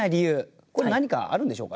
これ何かあるんでしょうかね。